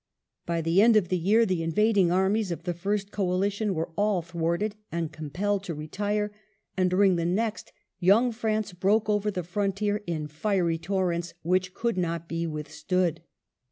By the end of the year the invading armies of the first coalition were all thwarted and compelled to retire, and during the next young France broke over the frontier in fiery torrents which could not be withstood.